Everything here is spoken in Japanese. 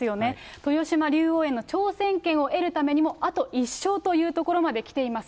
豊島竜王への挑戦権を得るためにもあと１勝というところまできています。